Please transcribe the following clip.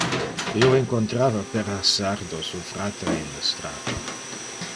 Io incontrava per hasardo tu fratre in le strata.